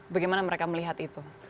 bagaimana mereka melihat itu